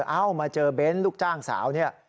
เอ้ามาเจอเบ้นลูกจ้างสาวเนี่ย